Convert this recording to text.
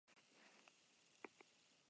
Ohiu egiten baduzu, joan egingo naiz.